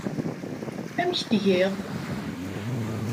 Amek tgiḍ?